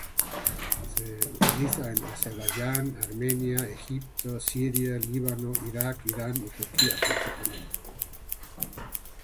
Se utiliza en Azerbaiyán, Armenia, Egipto, Siria, Líbano, Irak, Irán y Turquía principalmente.